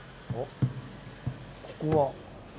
ここは？